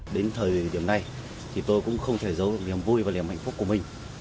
đến thời điểm này thì tôi cũng không thể giấu được niềm vui và niềm hạnh phúc của mình